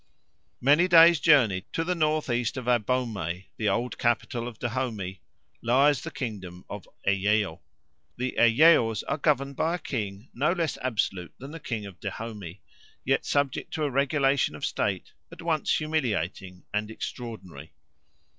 Many days' journey to the north east of Abomey, the old capital of Dahomey, lies the kingdom of Eyeo. "The Eyeos are governed by a king, no less absolute than the king of Dahomey, yet subject to a regulation of state, at once humiliating and extraordinary.